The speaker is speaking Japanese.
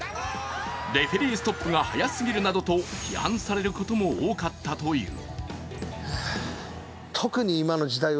レフェリーストップが早過ぎるなどと批判されることも多かったという。